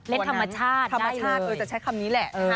เล่นธรรมชาติธรรมชาติจะใช้คำนี้แหละ